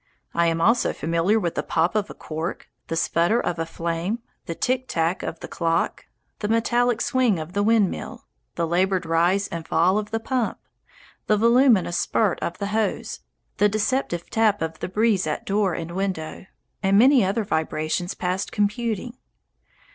I am also familiar with the pop of a cork, the sputter of a flame, the tick tack of the clock, the metallic swing of the windmill, the laboured rise and fall of the pump, the voluminous spurt of the hose, the deceptive tap of the breeze at door and window, and many other vibrations past computing.